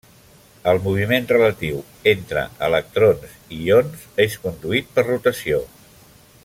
El moviment relatiu entre electrons i ions és conduït per rotació.